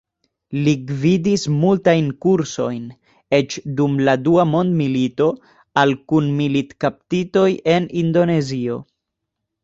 Li gvidis multajn kursojn, eĉ dum la dua mondmilito al kun-militkaptitoj en Indonezio.